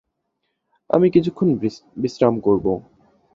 আমি কিছুক্ষণ বিশ্রাম করবো।